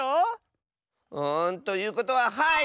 んということははい！